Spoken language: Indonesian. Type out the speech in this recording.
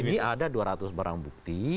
ini ada dua ratus barang bukti